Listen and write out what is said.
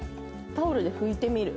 タオルで拭いてみる？